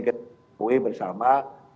kita temui bersama